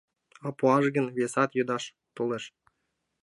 А пуаш гын, весат йодаш толеш.